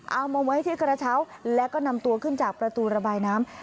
เอามาไว้ที่กระเช้าแล้วก็นำตัวขึ้นจากประตูระบายน้ำ